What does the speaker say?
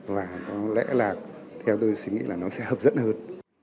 và có lẽ là theo tôi suy nghĩ là nó sẽ hợp dẫn hơn